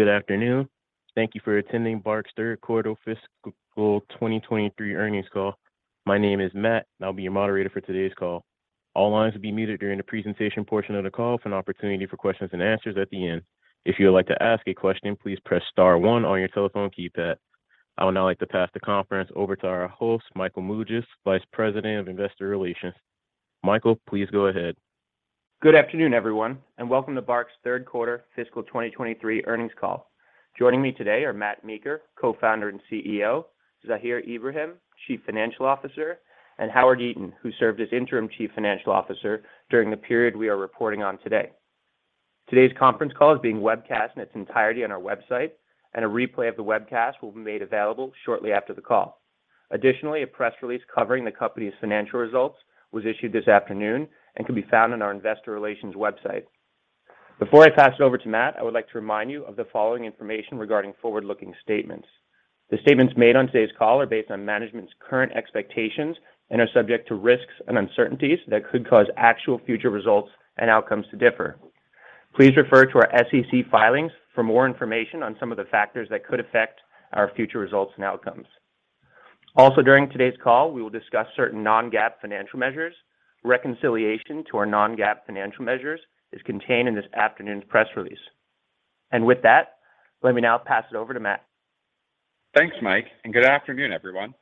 Good afternoon. Thank you for attending BARK's third quarter fiscal 2023 earnings call. My name is Matt, and I'll be your moderator for today's call. All lines will be muted during the presentation portion of the call for an opportunity for questions and answers at the end. If you would like to ask a question, please press star one on your telephone keypad. I would now like to pass the conference over to our host, Michael Mougias, Vice President of Investor Relations. Michael, please go ahead. Good afternoon, everyone, and welcome to BARK's 3rd quarter fiscal 2023 earnings call. Joining me today are Matt Meeker, Co-founder and CEO, Zahir Ibrahim, Chief Financial Officer, and Howard Yeaton, who served as Interim Chief Financial Officer during the period we are reporting on today. Today's conference call is being webcast in its entirety on our website, and a replay of the webcast will be made available shortly after the call. Additionally, a press release covering the company's financial results was issued this afternoon and can be found on our investor relations website. Before I pass it over to Matt, I would like to remind you of the following information regarding forward-looking statements. The statements made on today's call are based on management's current expectations and are subject to risks and uncertainties that could cause actual future results and outcomes to differ. Please refer to our SEC filings for more information on some of the factors that could affect our future results and outcomes. During today's call, we will discuss certain non-GAAP financial measures. Reconciliation to our non-GAAP financial measures is contained in this afternoon's press release. With that, let me now pass it over to Matt. Thanks, Mike. Good afternoon, everyone.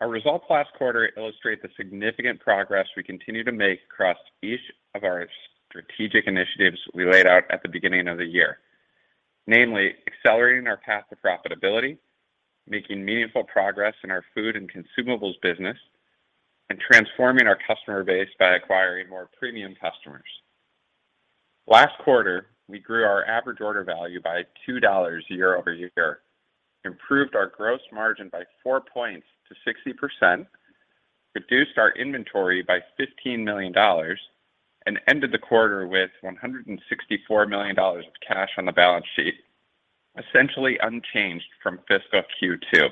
Our results last quarter illustrate the significant progress we continue to make across each of our strategic initiatives we laid out at the beginning of the year. Namely, accelerating our path to profitability, making meaningful progress in our food and consumables business, and transforming our customer base by acquiring more premium customers. Last quarter, we grew our average order value by $2 year-over-year, improved our gross margin by four points to 60%, reduced our inventory by $15 million, and ended the quarter with $164 million of cash on the balance sheet, essentially unchanged from fiscal Q2.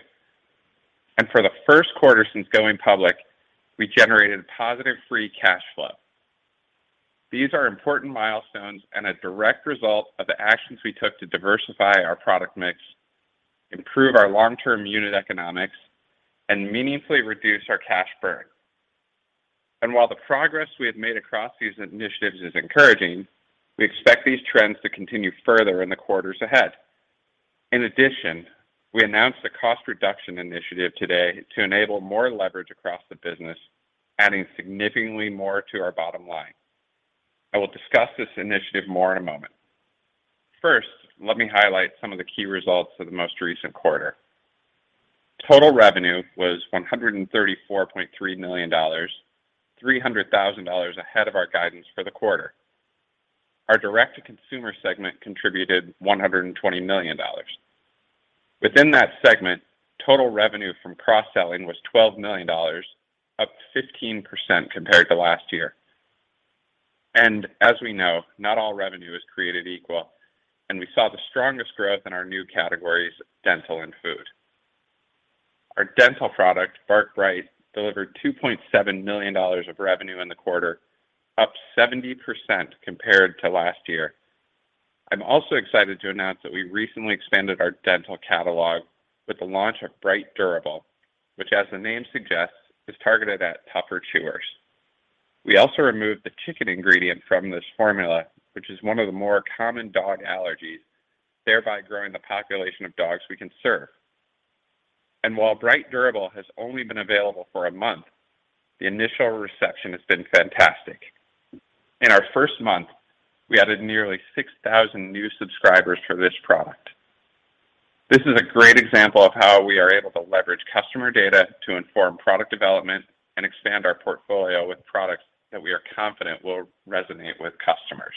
For the first quarter since going public, we generated positive free cash flow. These are important milestones and a direct result of the actions we took to diversify our product mix, improve our long-term unit economics, and meaningfully reduce our cash burn. While the progress we have made across these initiatives is encouraging, we expect these trends to continue further in the quarters ahead. In addition, we announced a cost reduction initiative today to enable more leverage across the business, adding significantly more to our bottom line. I will discuss this initiative more in a moment. First, let me highlight some of the key results of the most recent quarter. Total revenue was $134.3 million, $300,000 ahead of our guidance for the quarter. Our D2C segment contributed $120 million. Within that segment, total revenue from cross-selling was $12 million, up 15% compared to last year. As we know, not all revenue is created equal, and we saw the strongest growth in our new categories, dental and food. Our dental product, BARK Bright, delivered $2.7 million of revenue in the quarter, up 70% compared to last year. I'm also excited to announce that we recently expanded our dental catalog with the launch of Bright Durable, which, as the name suggests, is targeted at tougher chewers. We also removed the chicken ingredient from this formula, which is one of the more common dog allergies, thereby growing the population of dogs we can serve. While Bright Durable has only been available for a month, the initial reception has been fantastic. In our first month, we added nearly 6,000 new subscribers for this product. This is a great example of how we are able to leverage customer data to inform product development and expand our portfolio with products that we are confident will resonate with customers.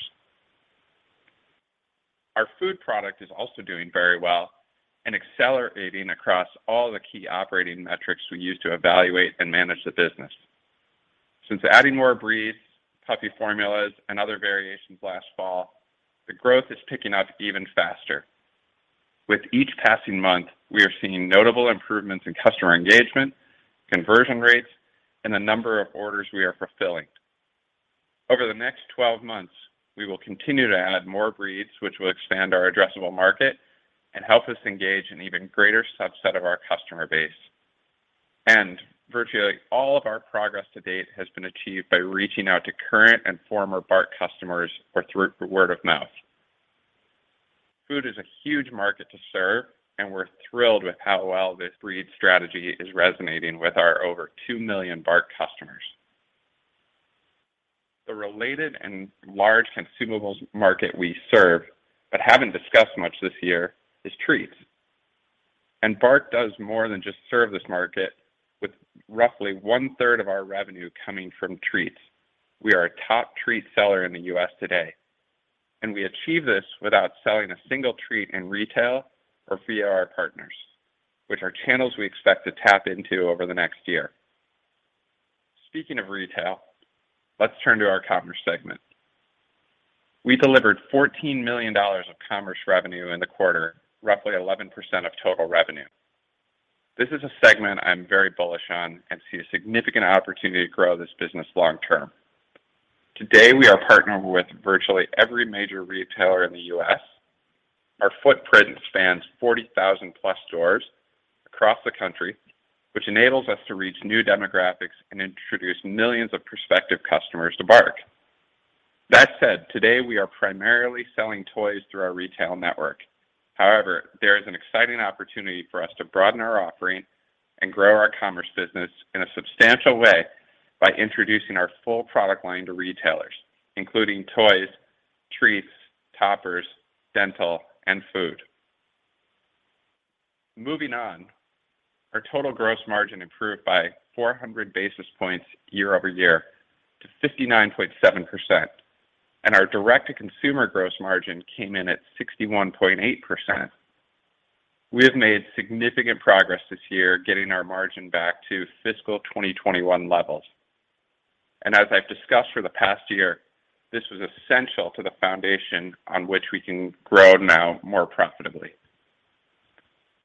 Our food product is also doing very well and accelerating across all the key operating metrics we use to evaluate and manage the business. Since adding more breeds, puppy formulas, and other variations last fall, the growth is picking up even faster. With each passing month, we are seeing notable improvements in customer engagement, conversion rates, and the number of orders we are fulfilling. Over the next 12 months, we will continue to add more breeds, which will expand our addressable market and help us engage an even greater subset of our customer base. Virtually all of our progress to date has been achieved by reaching out to current and former BARK customers or through word of mouth. Food is a huge market to serve, and we're thrilled with how well this breed strategy is resonating with our over 2 million BARK customers. The related and large consumables market we serve, but haven't discussed much this year, is treats. BARK does more than just serve this market, with roughly one-third of our revenue coming from treats. We are a top treat seller in the U.S. today, and we achieve this without selling a single treat in retail or via our partners, which are channels we expect to tap into over the next year. Speaking of retail, let's turn to our commerce segment. We delivered $14 million of commerce revenue in the quarter, roughly 11% of total revenue. This is a segment I'm very bullish on and see a significant opportunity to grow this business long term. Today, we are partnered with virtually every major retailer in the U.S. Our footprint spans 40,000+ stores across the country, which enables us to reach new demographics and introduce millions of prospective customers to BARK. That said, today we are primarily selling toys through our retail network. However, there is an exciting opportunity for us to broaden our offering and grow our commerce business in a substantial way by introducing our full product line to retailers, including toys, treats, toppers, dental, and food. Moving on, our total gross margin improved by 400 basis points year-over-year to 59.7%, and our direct-to-consumer gross margin came in at 61.8%. We have made significant progress this year getting our margin back to fiscal 2021 levels. As I've discussed for the past year, this was essential to the foundation on which we can grow now more profitably.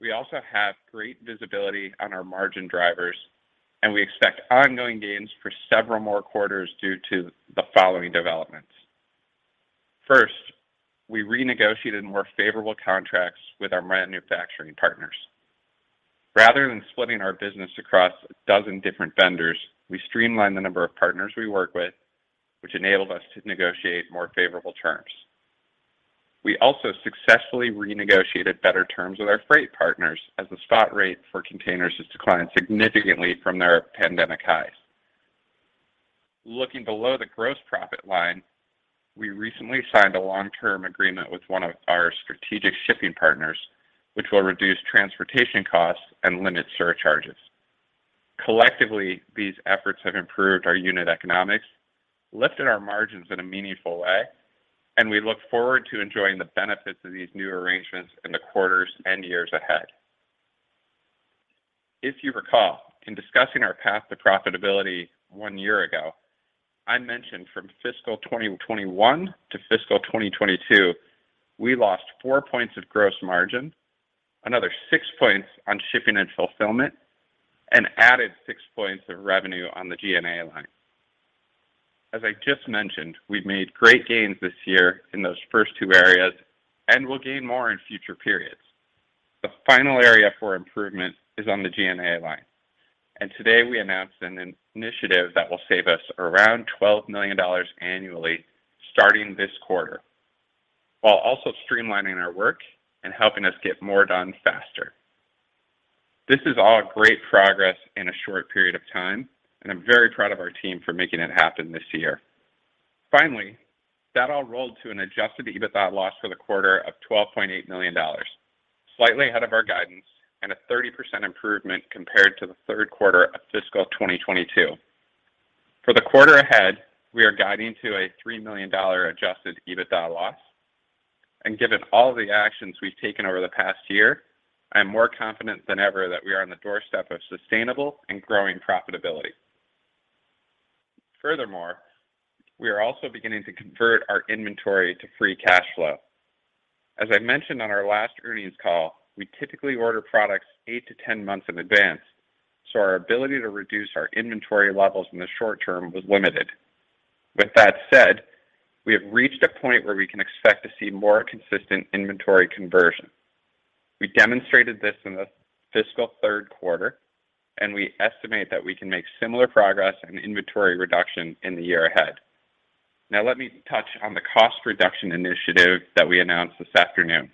We also have great visibility on our margin drivers, and we expect ongoing gains for several more quarters due to the following developments. First, we renegotiated more favorable contracts with our manufacturing partners. Rather than splitting our business across 12 different vendors, we streamlined the number of partners we work with, which enabled us to negotiate more favorable terms. We also successfully renegotiated better terms with our freight partners as the spot rate for containers has declined significantly from their pandemic highs. Looking below the gross profit line, we recently signed a long-term agreement with one of our strategic shipping partners, which will reduce transportation costs and limit surcharges. Collectively, these efforts have improved our unit economics, lifted our margins in a meaningful way, and we look forward to enjoying the benefits of these new arrangements in the quarters and years ahead. If you recall, in discussing our path to profitability one year ago, I mentioned from fiscal 2021 to fiscal 2022, we lost four points of gross margin, another six points on shipping and fulfillment, and added six points of revenue on the G&A line. As I just mentioned, we've made great gains this year in those first two areas and will gain more in future periods. The final area for improvement is on the G&A line, and today we announced an initiative that will save us around $12 million annually starting this quarter, while also streamlining our work and helping us get more done faster. This is all great progress in a short period of time, and I'm very proud of our team for making it happen this year. That all rolled to an adjusted EBITDA loss for the quarter of $12.8 million, slightly ahead of our guidance and a 30% improvement compared to the third quarter of fiscal 2022. For the quarter ahead, we are guiding to a $3 million adjusted EBITDA loss. Given all the actions we've taken over the past year, I am more confident than ever that we are on the doorstep of sustainable and growing profitability. We are also beginning to convert our inventory to free cash flow. As I mentioned on our last earnings call, we typically order products 8-10 months in advance, so our ability to reduce our inventory levels in the short term was limited. With that said, we have reached a point where we can expect to see more consistent inventory conversion. We demonstrated this in the fiscal third quarter, and we estimate that we can make similar progress and inventory reduction in the year ahead. Now, let me touch on the cost reduction initiative that we announced this afternoon.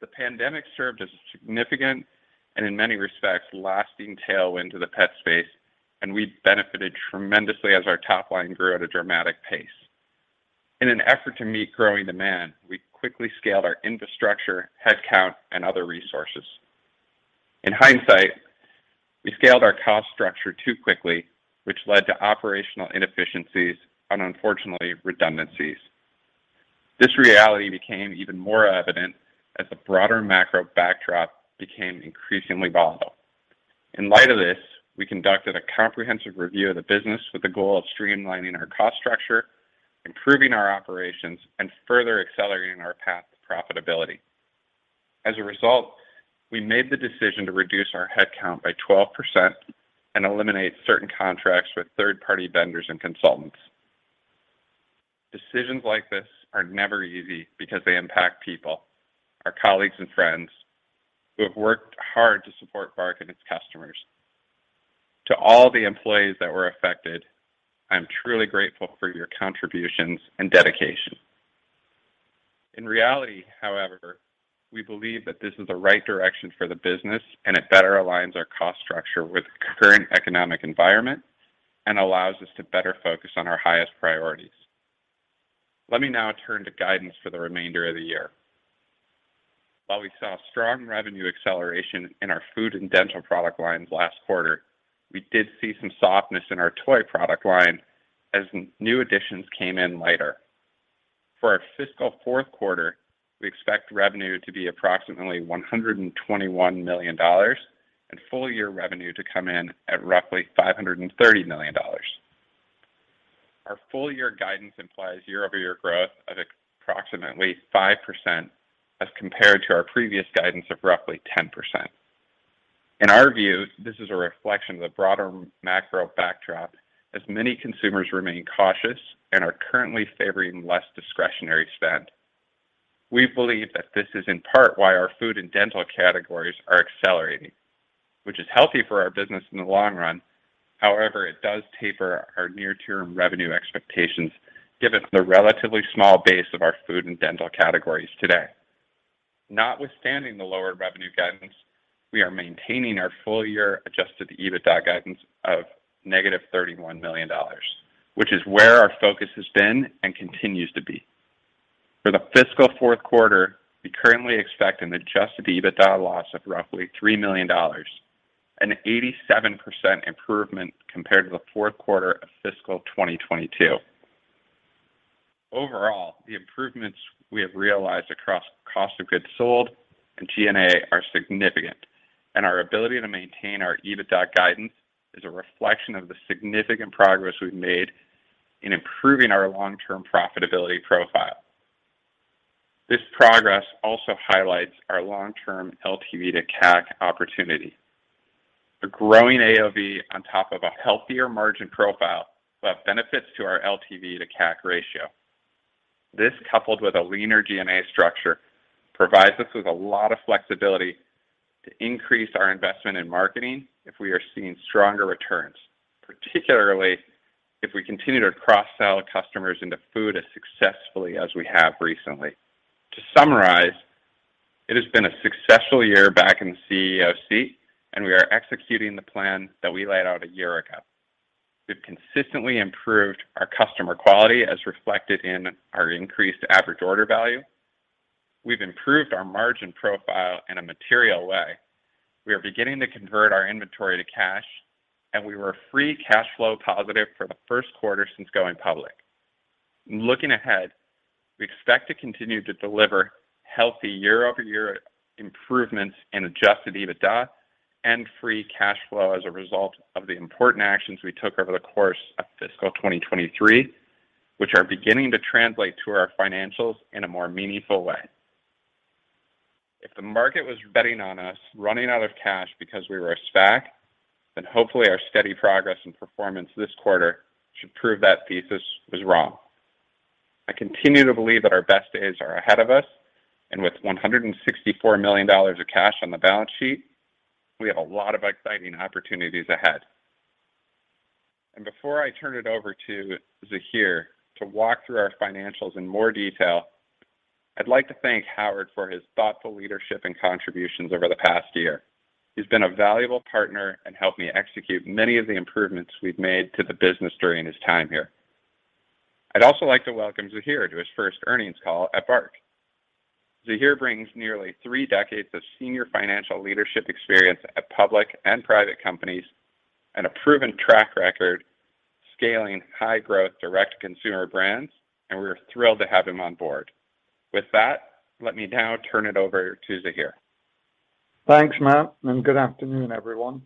The pandemic served as a significant and, in many respects, lasting tailwind to the pet space, and we benefited tremendously as our top line grew at a dramatic pace. In an effort to meet growing demand, we quickly scaled our infrastructure, headcount, and other resources. In hindsight, we scaled our cost structure too quickly, which led to operational inefficiencies and, unfortunately, redundancies. This reality became even more evident as the broader macro backdrop became increasingly volatile. In light of this, we conducted a comprehensive review of the business with the goal of streamlining our cost structure, improving our operations, and further accelerating our path to profitability. As a result, we made the decision to reduce our headcount by 12% and eliminate certain contracts with third-party vendors and consultants. Decisions like this are never easy because they impact people, our colleagues and friends, who have worked hard to support BARK and its customers. To all the employees that were affected, I am truly grateful for your contributions and dedication. In reality, however, we believe that this is the right direction for the business, and it better aligns our cost structure with the current economic environment and allows us to better focus on our highest priorities. Let me now turn to guidance for the remainder of the year. While we saw strong revenue acceleration in our food and dental product lines last quarter, we did see some softness in our toy product line as new additions came in later. For our fiscal fourth quarter, we expect revenue to be approximately $121 million and full-year revenue to come in at roughly $530 million. Our full-year guidance implies year-over-year growth of approximately 5% as compared to our previous guidance of roughly 10%. In our view, this is a reflection of the broader macro backdrop as many consumers remain cautious and are currently favoring less discretionary spend. We believe that this is in part why our food and dental categories are accelerating, which is healthy for our business in the long run. It does taper our near-term revenue expectations given the relatively small base of our food and dental categories today. Notwithstanding the lower revenue guidance, we are maintaining our full year adjusted EBITDA guidance of negative $31 million, which is where our focus has been and continues to be. For the fiscal fourth quarter, we currently expect an adjusted EBITDA loss of roughly $3 million, an 87% improvement compared to the fourth quarter of fiscal 2022. Overall, the improvements we have realized across cost of goods sold and G&A are significant, our ability to maintain our EBITDA guidance is a reflection of the significant progress we've made in improving our long-term profitability profile. This progress also highlights our long-term LTV to CAC opportunity. A growing AOV on top of a healthier margin profile will have benefits to our LTV to CAC ratio. This, coupled with a leaner G&A structure, provides us with a lot of flexibility to increase our investment in marketing if we are seeing stronger returns, particularly if we continue to cross-sell customers into food as successfully as we have recently. To summarize, it has been a successful year back in the CEO seat. We are executing the plan that we laid out a year ago. We've consistently improved our customer quality as reflected in our increased average order value. We've improved our margin profile in a material way. We are beginning to convert our inventory to cash. We were free cash flow positive for the first quarter since going public. Looking ahead, we expect to continue to deliver healthy year-over-year improvements in adjusted EBITDA and free cash flow as a result of the important actions we took over the course of fiscal 2023, which are beginning to translate to our financials in a more meaningful way. If the market was betting on us running out of cash because we were a SPAC, then hopefully our steady progress and performance this quarter should prove that thesis was wrong. I continue to believe that our best days are ahead of us, with $164 million of cash on the balance sheet, we have a lot of exciting opportunities ahead. Before I turn it over to Zahir to walk through our financials in more detail, I'd like to thank Howard for his thoughtful leadership and contributions over the past year. He's been a valuable partner and helped me execute many of the improvements we've made to the business during his time here. I'd also like to welcome Zahir to his first earnings call at BARK. Zahir brings nearly three decades of senior financial leadership experience at public and private companies and a proven track record scaling high-growth direct-to-consumer brands. We are thrilled to have him on board. With that, let me now turn it over to Zahir. Thanks, Matt. Good afternoon, everyone.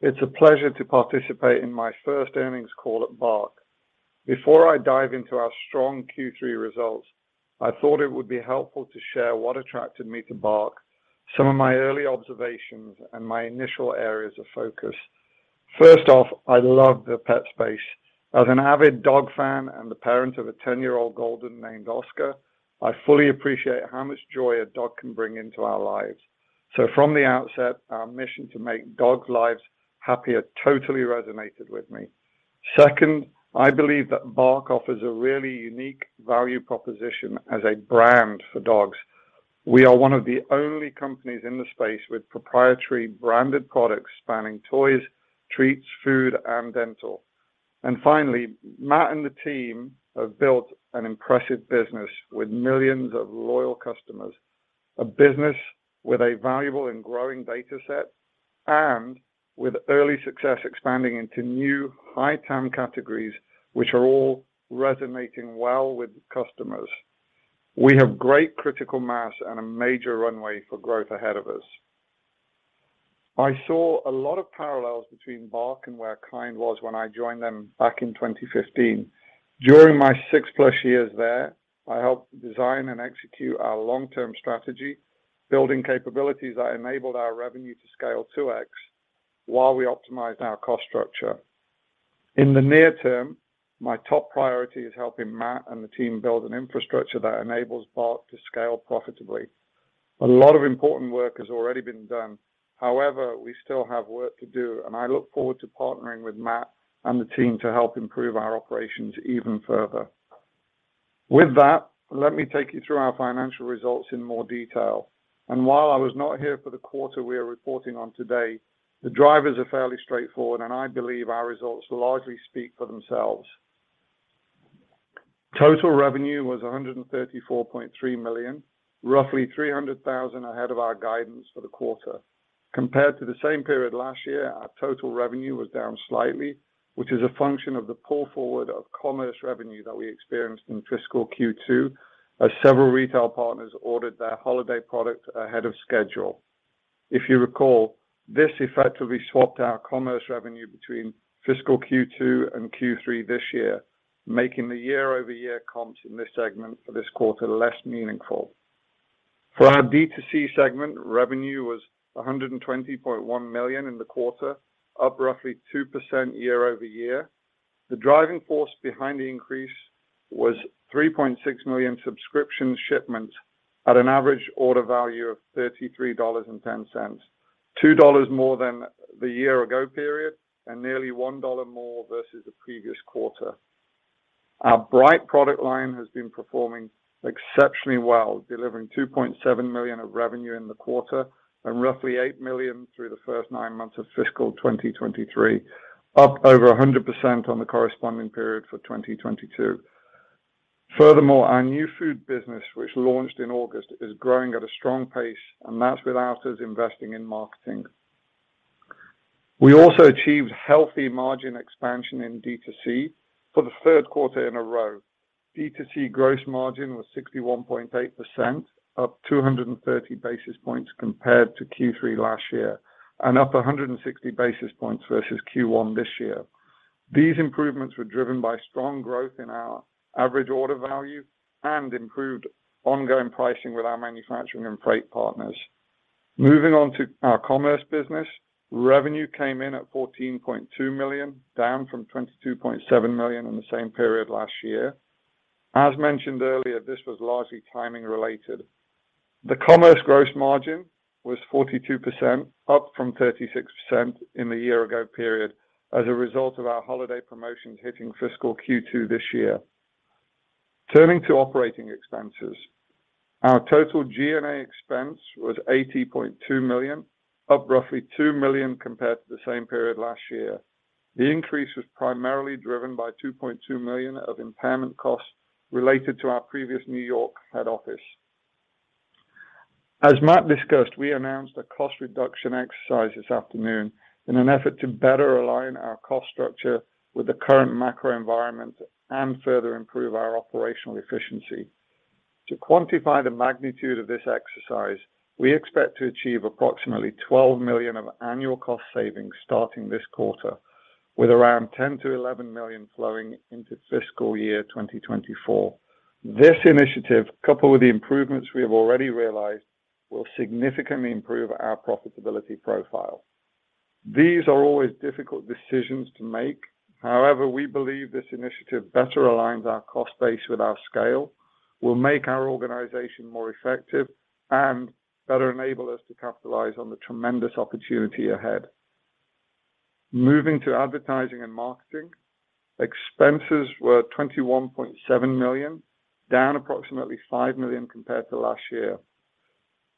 It's a pleasure to participate in my first earnings call at BARK. Before I dive into our strong Q3 results, I thought it would be helpful to share what attracted me to BARK, some of my early observations, and my initial areas of focus. First off, I love the pet space. As an avid dog fan and the parent of a 10-year-old golden named Oscar, I fully appreciate how much joy a dog can bring into our lives. From the outset, our mission to make dogs' lives happier totally resonated with me. Second, I believe that BARK offers a really unique value proposition as a brand for dogs. We are one of the only companies in the space with proprietary branded products spanning toys, treats, food, and dental. Finally, Matt and the team have built an impressive business with millions of loyal customers, a business with a valuable and growing data set, and with early success expanding into new high-TAM categories, which are all resonating well with customers. We have great critical mass and a major runway for growth ahead of us. I saw a lot of parallels between BARK and where KIND was when I joined them back in 2015. During my 6+ years there, I helped design and execute our long-term strategy, building capabilities that enabled our revenue to scale 2x while we optimized our cost structure. In the near term, my top priority is helping Matt and the team build an infrastructure that enables BARK to scale profitably. A lot of important work has already been done. However, we still have work to do, and I look forward to partnering with Matt and the team to help improve our operations even further. With that, let me take you through our financial results in more detail. While I was not here for the quarter we are reporting on today, the drivers are fairly straightforward, and I believe our results largely speak for themselves. Total revenue was $134.3 million, roughly $300,000 ahead of our guidance for the quarter. Compared to the same period last year, our total revenue was down slightly, which is a function of the pull forward of commerce revenue that we experienced in fiscal Q2 as several retail partners ordered their holiday product ahead of schedule. If you recall, this effectively swapped our commerce revenue between fiscal Q2 and Q3 this year, making the year-over-year comps in this segment for this quarter less meaningful. For our B2C segment, revenue was $120.1 million in the quarter, up roughly 2% year-over-year. The driving force behind the increase was 3.6 million subscription shipments at an average order value of $33.10, $2 more than the year ago period and nearly $1 more versus the previous quarter. Our Bright product line has been performing exceptionally well, delivering $2.7 million of revenue in the quarter and roughly $8 million through the first 9 months of fiscal 2023, up over 100% on the corresponding period for 2022. Furthermore, our new food business, which launched in August, is growing at a strong pace, and that's without us investing in marketing. We also achieved healthy margin expansion in D2C for the third quarter in a row. D2C gross margin was 61.8%, up 230 basis points compared to Q3 last year, and up 160 basis points versus Q1 this year. These improvements were driven by strong growth in our average order value and improved ongoing pricing with our manufacturing and freight partners. Moving on to our commerce business. Revenue came in at $14.2 million, down from $22.7 million in the same period last year. As mentioned earlier, this was largely timing related. The commerce gross margin was 42%, up from 36% in the year ago period as a result of our holiday promotions hitting fiscal Q2 this year. Turning to operating expenses. Our total G&A expense was $80.2 million, up roughly $2 million compared to the same period last year. The increase was primarily driven by $2.2 million of impairment costs related to our previous New York head office. As Matt discussed, we announced a cost reduction exercise this afternoon in an effort to better align our cost structure with the current macro environment and further improve our operational efficiency. To quantify the magnitude of this exercise, we expect to achieve approximately $12 million of annual cost savings starting this quarter, with around $10 million-$11 million flowing into fiscal year 2024. This initiative, coupled with the improvements we have already realized, will significantly improve our profitability profile. These are always difficult decisions to make. We believe this initiative better aligns our cost base with our scale, will make our organization more effective, and better enable us to capitalize on the tremendous opportunity ahead. Moving to advertising and marketing. Expenses were $21.7 million, down approximately $5 million compared to last year.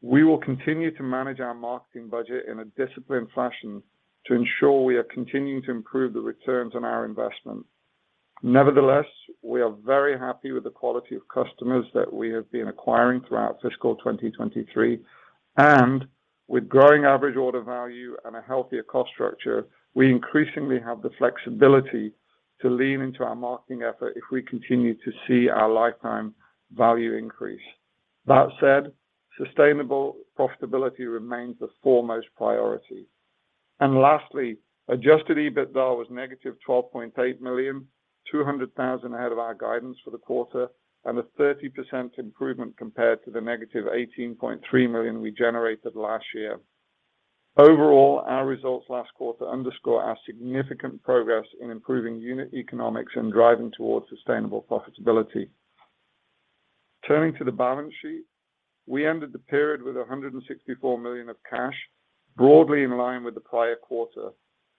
We will continue to manage our marketing budget in a disciplined fashion to ensure we are continuing to improve the returns on our investment. We are very happy with the quality of customers that we have been acquiring throughout fiscal 2023, and with growing average order value and a healthier cost structure, we increasingly have the flexibility to lean into our marketing effort if we continue to see our lifetime value increase. That said, sustainable profitability remains the foremost priority. Lastly, adjusted EBITDA was negative $12.8 million, $200,000 ahead of our guidance for the quarter, and a 30% improvement compared to the negative $18.3 million we generated last year. Overall, our results last quarter underscore our significant progress in improving unit economics and driving towards sustainable profitability. Turning to the balance sheet. We ended the period with $164 million of cash, broadly in line with the prior quarter.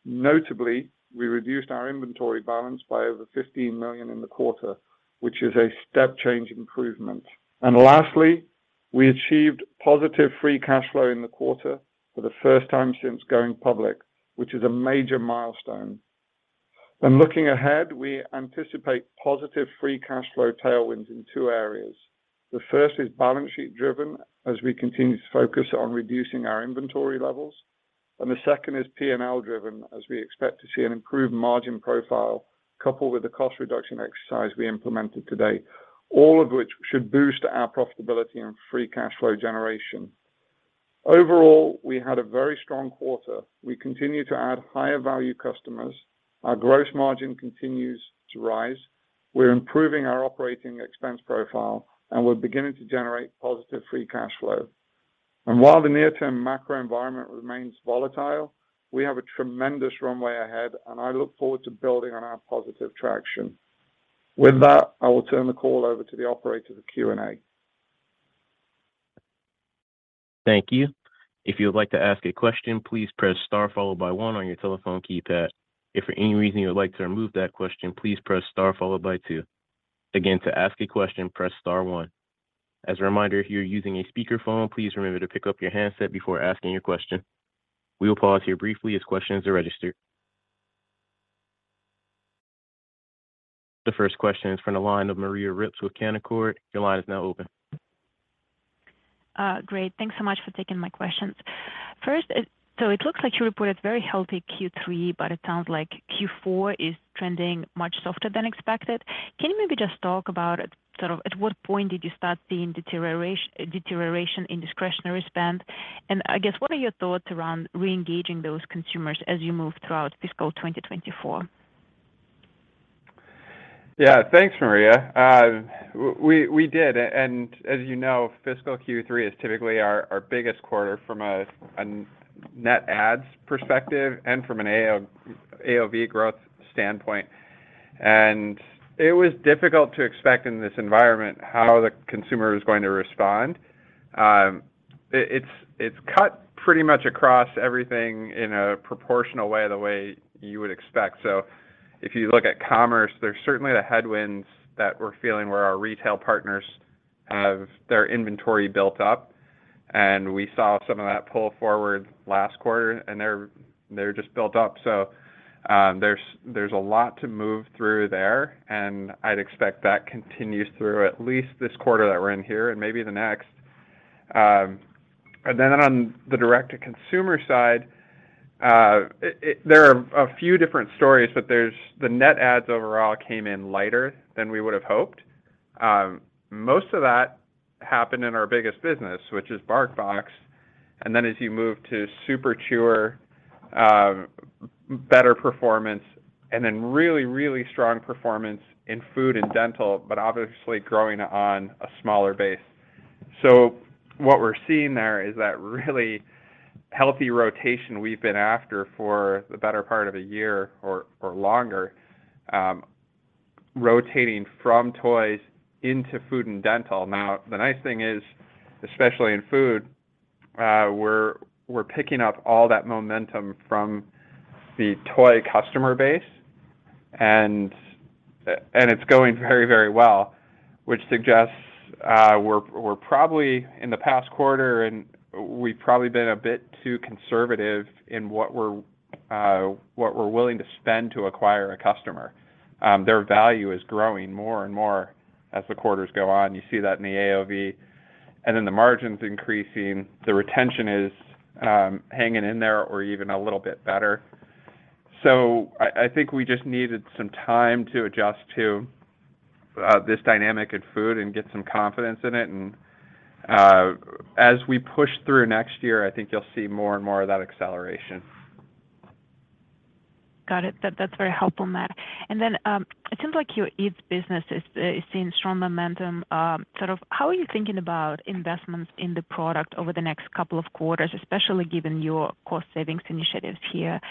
Notably, we reduced our inventory balance by over $15 million in the quarter, which is a step change improvement. Lastly, we achieved positive free cash flow in the quarter for the first time since going public, which is a major milestone. When looking ahead, we anticipate positive free cash flow tailwinds in two areas. The first is balance sheet driven as we continue to focus on reducing our inventory levels. The second is P&L driven as we expect to see an improved margin profile coupled with the cost reduction exercise we implemented today, all of which should boost our profitability and free cash flow generation. Overall, we had a very strong quarter. We continue to add higher value customers. Our gross margin continues to rise. We're improving our operating expense profile, and we're beginning to generate positive free cash flow. While the near-term macro environment remains volatile, we have a tremendous runway ahead, and I look forward to building on our positive traction. With that, I will turn the call over to the operator for Q&A. Thank you. If you would like to ask a question, please press star followed by 1 on your telephone keypad. If for any reason you would like to remove that question, please press star followed by 2. Again, to ask a question, press star 1. As a reminder, if you're using a speakerphone, please remember to pick up your handset before asking your question. We will pause here briefly as questions are registered. The first question is from the line of Maria Ripps with Canaccord. Your line is now open. Great. Thanks so much for taking my questions. First, it looks like you reported very healthy Q3, but it sounds like Q4 is trending much softer than expected. Can you maybe just talk about sort of at what point did you start seeing deterioration in discretionary spend? I guess what are your thoughts around re-engaging those consumers as you move throughout fiscal 2024? Yeah. Thanks, Maria. We did. As you know, fiscal Q3 is typically our biggest quarter from a net adds perspective and from an AOV growth standpoint. It was difficult to expect in this environment how the consumer is going to respond. It's cut pretty much across everything in a proportional way, the way you would expect. If you look at commerce, there's certainly the headwinds that we're feeling where our retail partners have their inventory built up, and we saw some of that pull forward last quarter, and they're just built up. There's a lot to move through there, and I'd expect that continues through at least this quarter that we're in here and maybe the next. On the direct to consumer side, there are a few different stories, but there's the net adds overall came in lighter than we would've hoped. Most of that happened in our biggest business, which is BarkBox. As you move to Super Chewer, better performance and then really strong performance in food and dental, but obviously growing on a smaller base. What we're seeing there is that really healthy rotation we've been after for the better part of a year or longer, rotating from toys into food and dental. Now, the nice thing is, especially in food, we're picking up all that momentum from the toy customer base and it's going very, very well, which suggests we're probably in the past quarter and we've probably been a bit too conservative in what we're willing to spend to acquire a customer. Their value is growing more and more as the quarters go on. You see that in the AOV, the margins increasing. The retention is hanging in there or even a little bit better. I think we just needed some time to adjust to this dynamic in food and get some confidence in it. As we push through next year, I think you'll see more and more of that acceleration. Got it. That's very helpful, Matt. It seems like your Eats business is seeing strong momentum. Sort of how are you thinking about investments in the product over the next couple of quarters, especially given your cost savings initiatives here?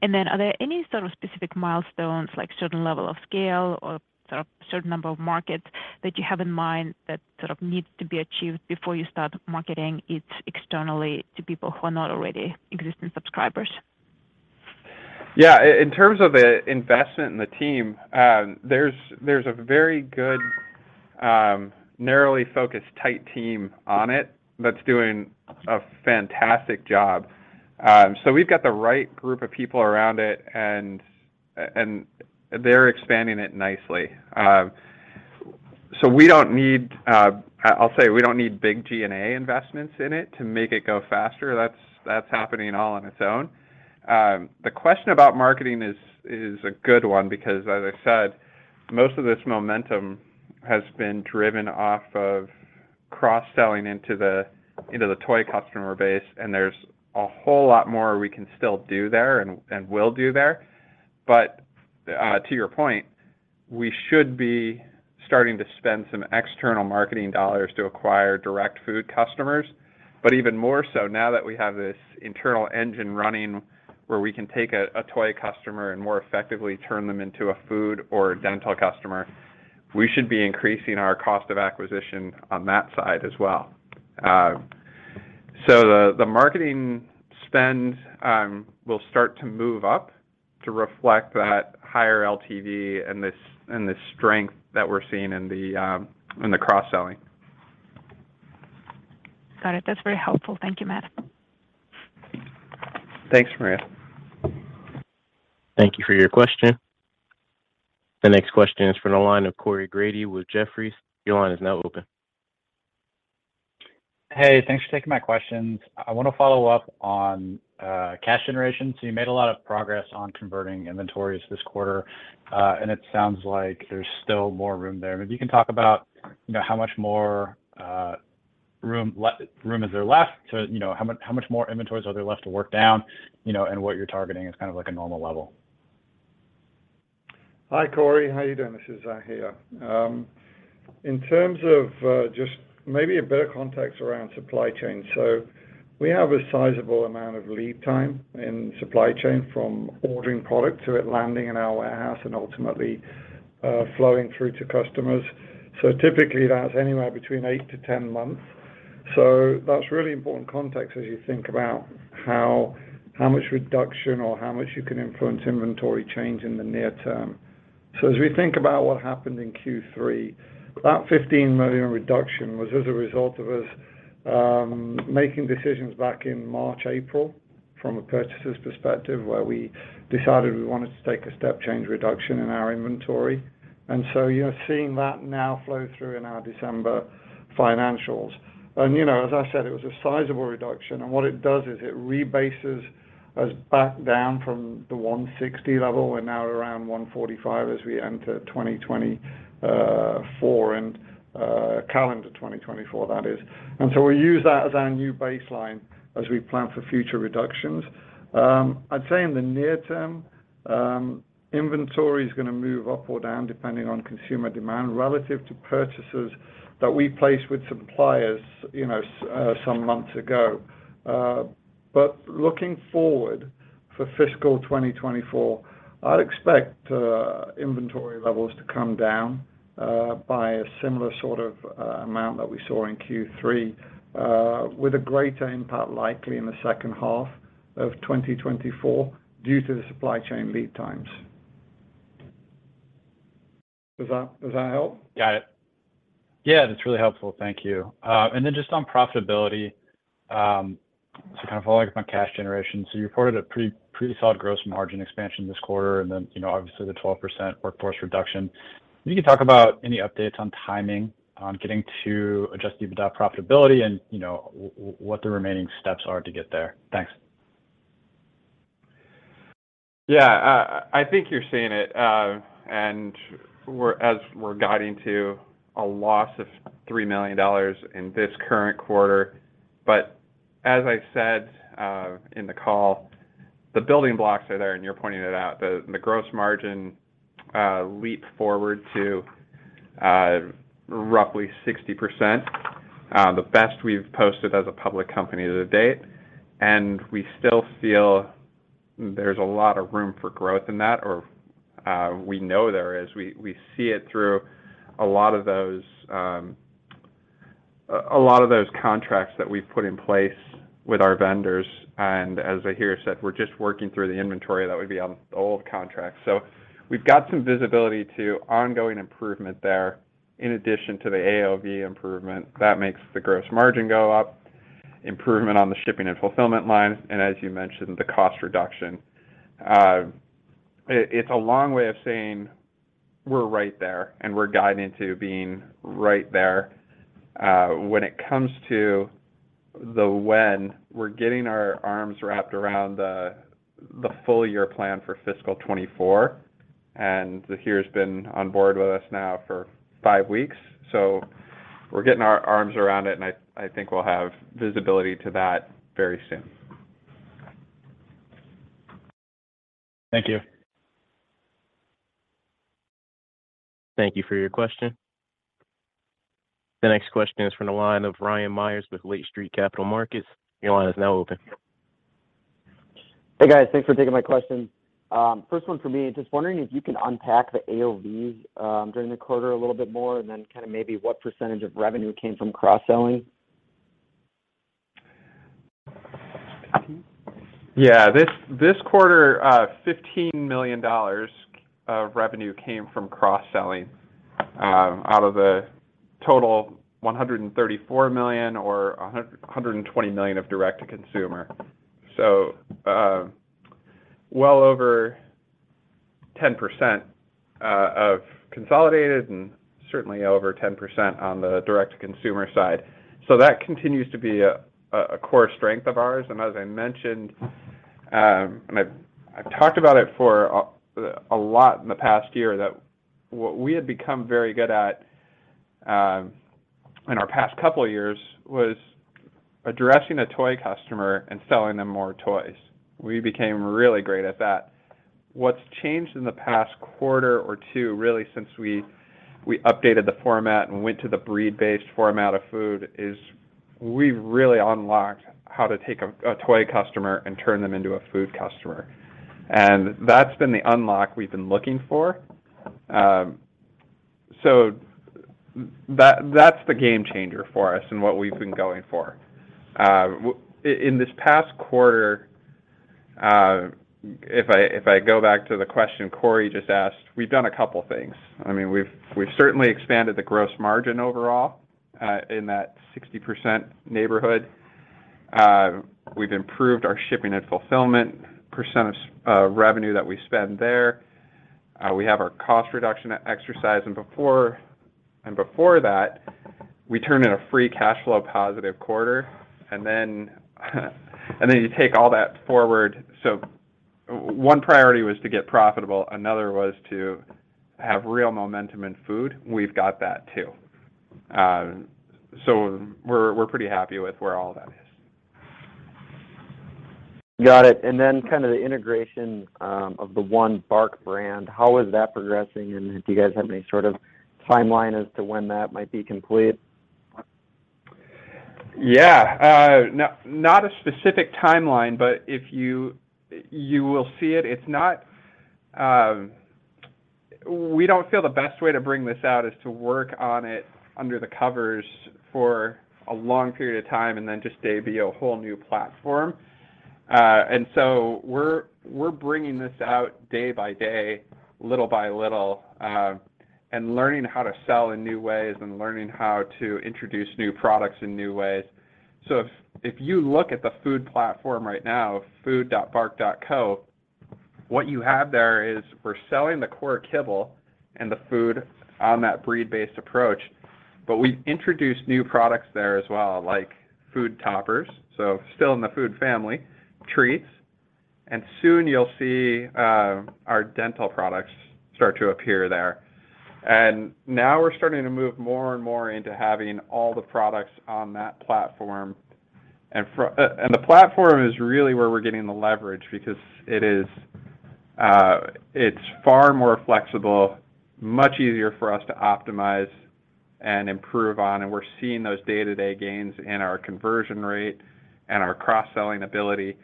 Are there any sort of specific milestones, like certain level of scale or sort of certain number of markets that you have in mind that sort of needs to be achieved before you start marketing Eats externally to people who are not already existing subscribers? Yeah. In terms of the investment in the team, there's a very good, narrowly focused, tight team on it that's doing a fantastic job. So we've got the right group of people around it and they're expanding it nicely. So we don't need, I'll say we don't need big G&A investments in it to make it go faster. That's happening all on its own. The question about marketing is a good one because, as I said, most of this momentum has been driven off of cross-selling into the toy customer base, and there's a whole lot more we can still do there and will do there. To your point, we should be starting to spend some external marketing dollars to acquire direct food customers. Even more so, now that we have this internal engine running where we can take a toy customer and more effectively turn them into a food or a dental customer, we should be increasing our cost of acquisition on that side as well. The marketing spend will start to move up to reflect that higher LTV and the strength that we're seeing in the cross-selling. Got it. That's very helpful. Thank you, Matt. Thanks, Maria. Thank you for your question. The next question is from the line of Corey Grady with Jefferies. Your line is now open. Hey, thanks for taking my questions. I wanna follow up on cash generation. You made a lot of progress on converting inventories this quarter, and it sounds like there's still more room there. Maybe you can talk about, you know, how much more room is there left to, you know, how much more inventories are there left to work down, you know, and what you're targeting as kind of like a normal level? Hi, Corey. How are you doing? This is Zahir Ibrahim here. In terms of, just maybe a bit of context around supply chain. We have a sizable amount of lead time in supply chain from ordering product to it landing in our warehouse and ultimately, flowing through to customers. Typically that's anywhere between 8 to 10 months. That's really important context as you think about how much reduction or how much you can influence inventory change in the near term. As we think about what happened in Q3, that $15 million reduction was as a result of us, making decisions back in March, April from a purchaser's perspective, where we decided we wanted to take a step change reduction in our inventory. You're seeing that now flow through in our December financials. You know, as I said, it was a sizable reduction, and what it does is it rebases us back down from the 160 level. We're now around 145 as we enter 2024. Calendar 2024, that is. We use that as our new baseline as we plan for future reductions. I'd say in the near term, inventory is gonna move up or down depending on consumer demand relative to purchases that we place with suppliers, you know, some months ago. Looking forward for fiscal 2024, I'd expect inventory levels to come down by a similar sort of amount that we saw in Q3, with a greater impact likely in the second half of 2024 due to the supply chain lead times. Does that help? Got it. Yeah, that's really helpful. Thank you. Just on profitability, to kind of follow up on cash generation. You reported a pretty solid gross margin expansion this quarter and then, you know, obviously the 12% workforce reduction. Can you talk about any updates on timing on getting to adjusted EBITDA profitability and, you know, what the remaining steps are to get there? Thanks. Yeah. I think you're seeing it, and as we're guiding to a loss of $3 million in this current quarter. As I said, in the call, the building blocks are there, and you're pointing it out. The gross margin leaped forward to roughly 60%. The best we've posted as a public company to date, and we still feel there's a lot of room for growth in that or, we know there is. We see it through a lot of those, a lot of those contracts that we've put in place with our vendors. As Zahir said, we're just working through the inventory that would be on the old contract. We've got some visibility to ongoing improvement there, in addition to the AOV improvement that makes the gross margin go up, improvement on the shipping and fulfillment line, and as you mentioned, the cost reduction. It's a long way of saying we're right there, and we're guiding to being right there. When it comes to the when, we're getting our arms wrapped around the full year plan for fiscal 2024, and Zahir's been on board with us now for five weeks, so we're getting our arms around it, and I think we'll have visibility to that very soon. Thank you. Thank you for your question. The next question is from the line of Ryan Meyers with Lake Street Capital Markets. Your line is now open. Hey, guys. Thanks for taking my questions. First one for me, just wondering if you can unpack the AOVs during the quarter a little bit more and then maybe what percentage of revenue came from cross-selling? This quarter, $15 million of revenue came from cross-selling, out of a total $134 million or $120 million of direct-to-consumer. Well over 10% of consolidated and certainly over 10% on the direct-to-consumer side. That continues to be a core strength of ours. As I mentioned, and I've talked about it for a lot in the past year that what we had become very good at, in our past couple of years was addressing a toy customer and selling them more toys. We became really great at that. What's changed in the past quarter or 2, really since we updated the format and went to the breed-based format of food, is we've really unlocked how to take a toy customer and turn them into a food customer. That's been the unlock we've been looking for. That's the game changer for us and what we've been going for. In this past quarter, if I go back to the question Corey just asked, we've done a couple things. I mean, we've certainly expanded the gross margin overall, in that 60% neighborhood. We've improved our shipping and fulfillment percent of revenue that we spend there. We have our cost reduction exercise. Before that, we turned in a free cash flow positive quarter. You take all that forward. One priority was to get profitable, another was to have real momentum in food. We've got that too. We're pretty happy with where all that is. Got it. Kinda the integration, of the One Bark brand, how is that progressing? Do you guys have any sort of timeline as to when that might be complete? Not a specific timeline, but if you will see it. It's not. We don't feel the best way to bring this out is to work on it under the covers for a long period of time and then just debut a whole new platform. We're bringing this out day by day, little by little, and learning how to sell in new ways and learning how to introduce new products in new ways. If you look at the food platform right now, food.bark.co, what you have there is we're selling the core kibble and the food on that breed-based approach, but we've introduced new products there as well, like food toppers, so still in the food family, treats and soon you'll see our dental products start to appear there. Now we're starting to move more and more into having all the products on that platform. The platform is really where we're getting the leverage because it's far more flexible, much easier for us to optimize and improve on, and we're seeing those day-to-day gains in our conversion rate and our cross-selling ability.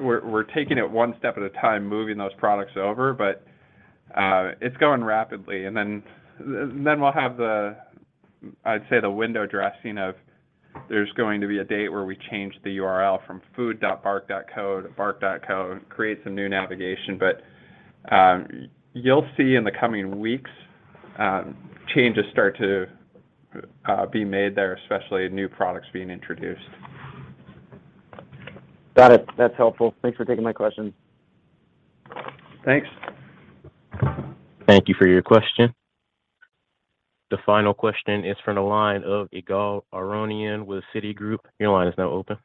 We're taking it one step at a time, moving those products over, but it's going rapidly. Then we'll have the, I'd say, the window dressing of there's going to be a date where we change the URL from food.bark.co to bark.co, create some new navigation. You'll see in the coming weeks, changes start to be made there, especially new products being introduced. Got it. That's helpful. Thanks for taking my question. Thanks. Thank you for your question. The final question is from the line of Ygal Arounian with Citigroup. Your line is now open.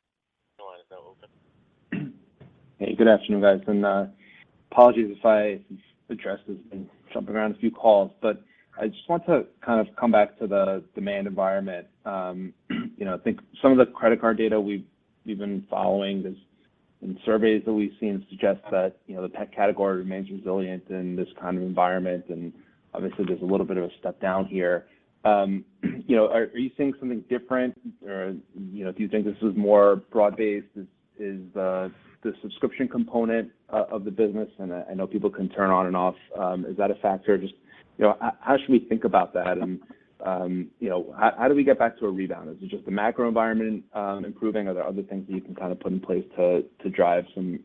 Hey, good afternoon, guys, and apologies if I address this. Been jumping around a few calls, but I just want to kind of come back to the demand environment. you know, I think some of the credit card data we've been following is in surveys that we've seen suggest that, you know, the pet category remains resilient in this kind of environment, and obviously there's a little bit of a step down here. you know, are you seeing something different or, you know, do you think this is more broad-based? Is the subscription component of the business, and I know people can turn on and off, is that a factor? Just, you know, how should we think about that and, you know, how do we get back to a rebound? Is it just the macro environment improving, or are there other things that you can kind of put in place to drive some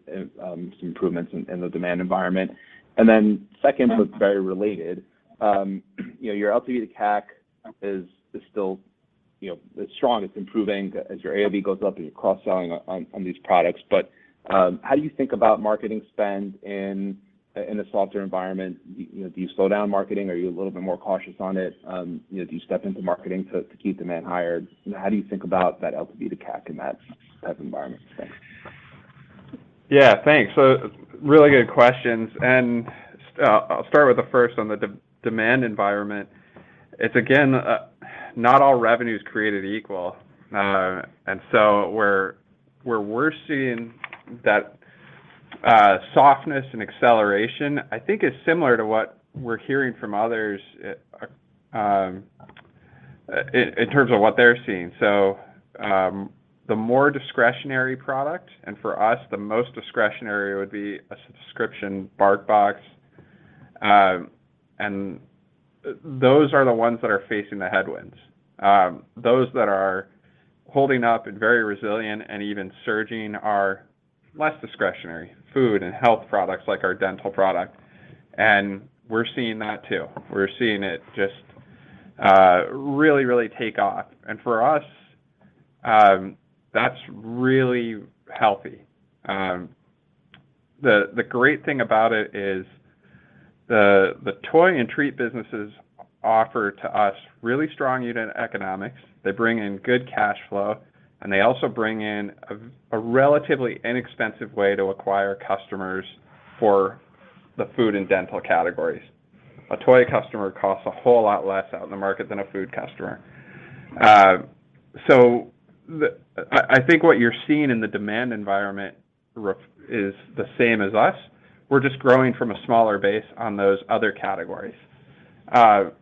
improvements in the demand environment? Second, but very related, you know, your LTV to CAC is still, you know, it's strong. It's improving as your AOV goes up and you're cross-selling on these products. How do you think about marketing spend in a softer environment? You know, do you slow down marketing? Are you a little bit more cautious on it? You know, do you step into marketing to keep demand higher? You know, how do you think about that LTV to CAC in that type of environment? Thanks. Yeah, thanks. Really good questions, and I'll start with the first on the demand environment. It's again, not all revenue's created equal. Where we're seeing that softness and acceleration, I think is similar to what we're hearing from others in terms of what they're seeing. The more discretionary product, and for us, the most discretionary would be a subscription BarkBox, and those are the ones that are facing the headwinds. Those that are holding up and very resilient and even surging are less discretionary: food and health products like our dental product, and we're seeing that too. We're seeing it just really take off. For us, that's really healthy. The great thing about it is the toy and treat businesses offer to us really strong unit economics. They bring in good cash flow, they also bring in a relatively inexpensive way to acquire customers for the food and dental categories. A toy customer costs a whole lot less out in the market than a food customer. I think what you're seeing in the demand environment is the same as us. We're just growing from a smaller base on those other categories. That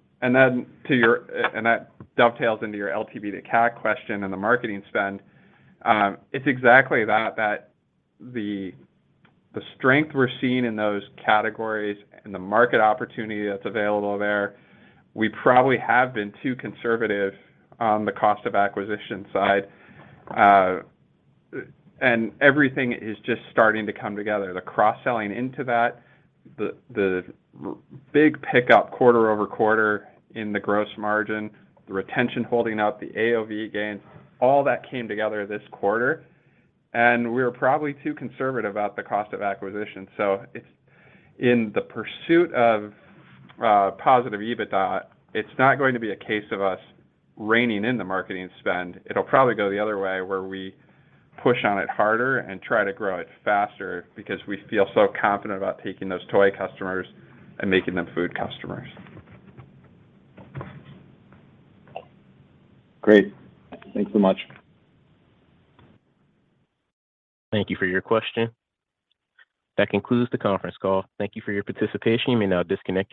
dovetails into your LTV to CAC question and the marketing spend. It's exactly that, the strength we're seeing in those categories and the market opportunity that's available there, we probably have been too conservative on the cost of acquisition side. Everything is just starting to come together. The cross-selling into that, the big pickup quarter-over-quarter in the gross margin, the retention holding up, the AOV gain, all that came together this quarter. We were probably too conservative about the cost of acquisition. It's in the pursuit of positive EBITDA. It's not going to be a case of us reining in the marketing spend. It'll probably go the other way, where we push on it harder and try to grow it faster because we feel so confident about taking those toy customers and making them food customers. Great. Thanks so much. Thank you for your question. That concludes the conference call. Thank you for your participation. You may now disconnect your line.